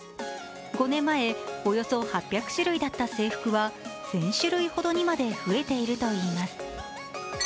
５年前およそ８００種類だった制服は１０００種類ほどにまで増えているといいます。